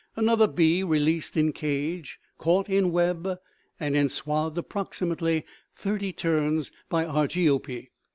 another bee released in cage, caught in web and enswathed approximately thirty turns by Argiope.